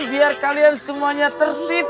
biar kalian semuanya tertib